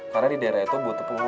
karena di daerah itu butuh penguruan